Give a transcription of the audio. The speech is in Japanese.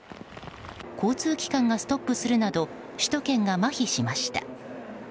交通機関がストップするなど首都圏がまひしました。